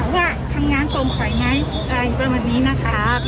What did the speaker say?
แต่ว่าทำงานตรงฝ่ายไงอะไรประมาณนี้นะคะค่ะ